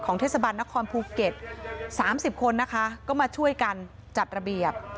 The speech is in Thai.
เทศบาลนครภูเก็ต๓๐คนนะคะก็มาช่วยกันจัดระเบียบ